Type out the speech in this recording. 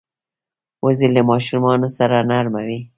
وزې له ماشومانو سره نرمه وي